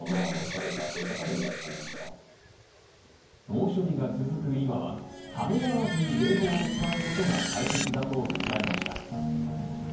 猛暑日が続く今はためらわずに冷房を使うことが大切だと訴えました。